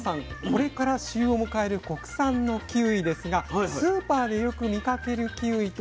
これから旬を迎える国産のキウイですがスーパーでよく見かけるキウイといいますと。